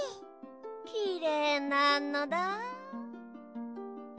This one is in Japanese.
きれいなのだ。